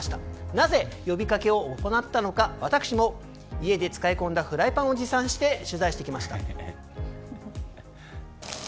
なぜ、呼びかけを行ったのか私も家で使い込んだフライパンを持参して、取材してきました。